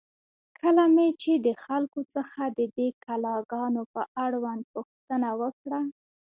کله مې چې د خلکو څخه د دې کلا گانو په اړوند پوښتنه وکړه،